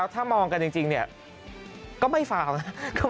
ถ้ามองกันจริงเนี่ยไม่ทำยังไง